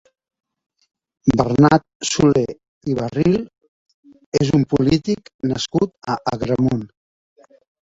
Bernat Solé i Barril és un polític nascut a Agramunt.